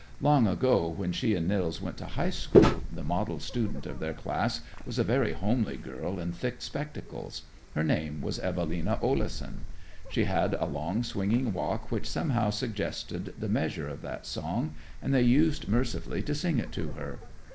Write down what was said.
Long ago, when she and Nils went to high school, the model student of their class was a very homely girl in thick spectacles. Her name was Evelina Oleson; she had a long, swinging walk which somehow suggested the measure of that song, and they used mercilessly to sing it at her.